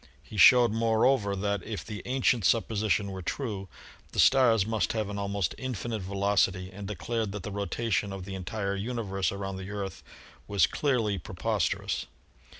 He showed, moreover, that if the ancient supposition were true, the stars must have an almost infinite velocity and declared that the rotation of the entire universe around the Earth was clearly pre posterous.